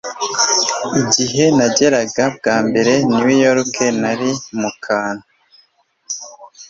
Igihe nageraga bwa mbere i New York nari mu kantu